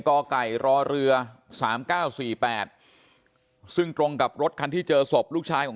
กไก่รอเรือ๓๙๔๘ซึ่งตรงกับรถคันที่เจอศพลูกชายของ